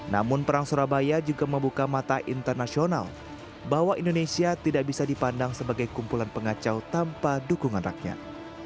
namun perang surabaya juga membuka mata internasional bahwa indonesia tidak bisa dipandang sebagai kumpulan pengacau tanpa dukungan rakyat